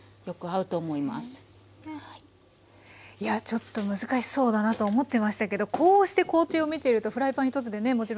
ちょっと難しそうだなと思ってましたけどこうして工程を見ているとフライパン一つでねもちろんできますし。